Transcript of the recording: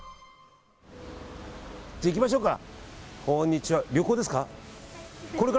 じゃあ、行きましょうか。